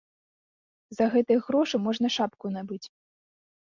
За гэтыя грошы можна шапку набыць.